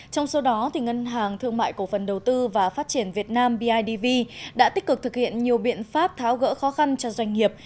trong số đó ngân hàng thương mại cổ phần đầu tư và phát triển việt nam bidv đã tích cực thực hiện nhiều biện pháp tháo gỡ khó khăn cho doanh nghiệp